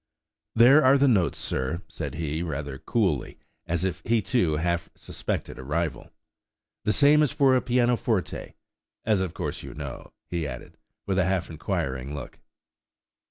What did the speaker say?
"These are the notes, sir," said he, rather coolly. as if he, too, half suspected a rival; "the same as for a pianoforte–as, of course, you know," he added, with a half inquiring look.